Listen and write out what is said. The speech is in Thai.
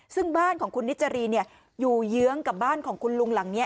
ซึ่งบ้านของคุณนิจรีอยู่เยื้องกับบ้านของคุณลุงหลังนี้